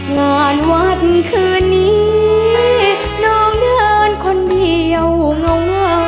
งานวัดคืนนี้น้องเดินคนเดียวเงา